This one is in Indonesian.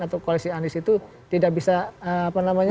atau koalisi anies itu tidak bisa apa namanya